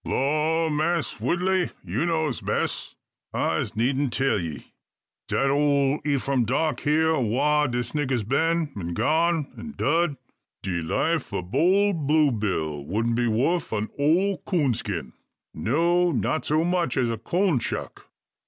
"Lor, Mass Woodley, you knows bess. I'se needn't tell ye, dat ef ole Eph'm Darke hear wha dis nigger's been, an' gone, an' dud, de life ob Blue Bill wuldn't be wuth a ole coon skin no; not so much as a corn shuck.